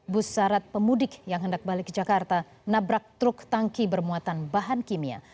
bus syarat pemudik yang hendak balik ke jakarta nabrak truk tangki bermuatan bahan kimia